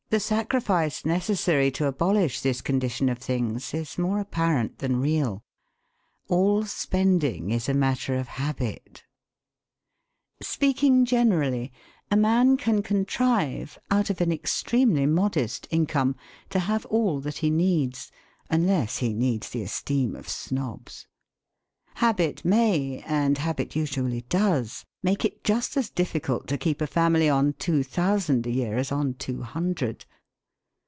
The sacrifice necessary to abolish this condition of things is more apparent than real. All spending is a matter of habit. Speaking generally, a man can contrive, out of an extremely modest income, to have all that he needs unless he needs the esteem of snobs. Habit may, and habit usually does, make it just as difficult to keep a family on two thousand a year as on two hundred.